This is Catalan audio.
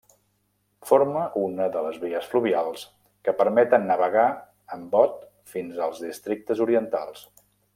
Forma una de les vies fluvials que permeten navegar amb bot fins als districtes orientals.